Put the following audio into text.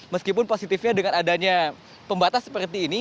meskipun positifnya dengan adanya pembatas seperti ini